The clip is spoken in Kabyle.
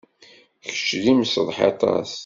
Kečč d imseḍsi aṭas.